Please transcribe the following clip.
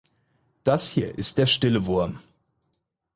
Das hier ist der stille Wurm.